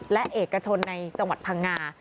และเอกชนในจังหวัดพังงา